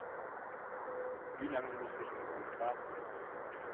Wie lange muss ich in Mainz warten?